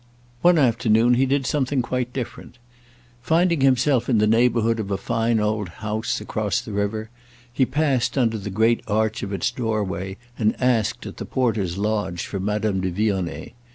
One afternoon he did something quite different; finding himself in the neighbourhood of a fine old house across the river, he passed under the great arch of its doorway and asked at the porter's lodge for Madame de Vionnet.